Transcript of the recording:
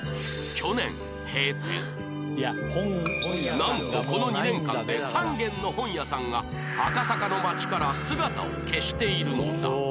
なんとこの２年間で３軒の本屋さんが赤坂の街から姿を消しているのだ